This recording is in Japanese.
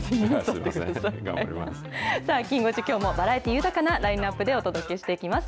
きん５時、きょうもバラエティ豊かなラインナップでお届けしていきます。